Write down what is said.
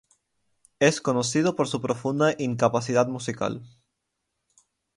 Es conocido por su profunda incapacidad musical.